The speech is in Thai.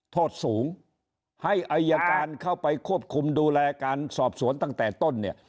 โทษสูงให้อายการเข้าไปควบคุมดูแลการสอบสวนตั้งแต่ต้นเนี่ย